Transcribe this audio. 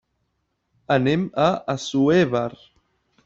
Anem a Assuévar.